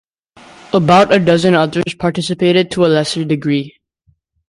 About a dozen others participated to a lesser degree.